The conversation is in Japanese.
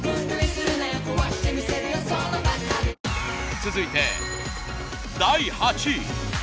続いて第８位。